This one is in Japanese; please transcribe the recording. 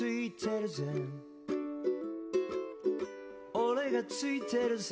俺がついてるぜ